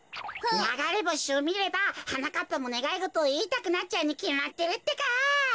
ながれぼしをみればはなかっぱもねがいごとをいいたくなっちゃうにきまってるってか。